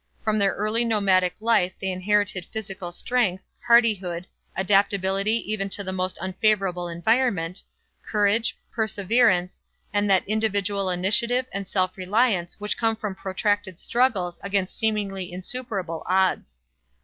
From their early nomadic life they inherited physical strength, hardihood, adaptability even to the most unfavorable environment, courage, perseverance and that individual initiative and self reliance which come from protracted struggles against seemingly insuperable odds.